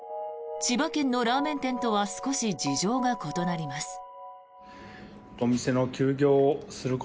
千葉県のラーメン店とは少し事情が異なります。